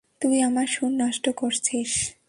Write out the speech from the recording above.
তুই আমার সুর নষ্ট করছিস।